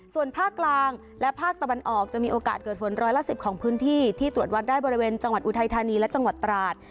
ส่วนภาคกลางและภาคตะวันออกจะมีโอกาสเกิดฝนร้อยละ๑๐ของพื้นที่ที่ตรวจวัดได้บริเวณจังหวัดอุทัยธานีและจังหวัดตราด